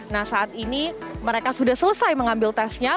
nah saat ini mereka sudah selesai mengambil tesnya